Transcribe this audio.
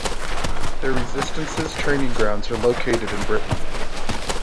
Their Resistance's training grounds are located in Britain.